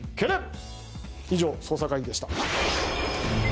以上捜査会議でした。